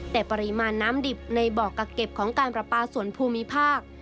แต่ปริมาณน้ำดิบในบ่อกักเก็บของการประปาส่วนภูมิภาค